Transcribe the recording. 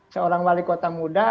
seorang wali kota muda